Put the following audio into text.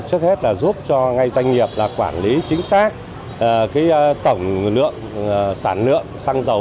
trước hết là giúp cho doanh nghiệp quản lý chính xác tổng sản lượng xăng dầu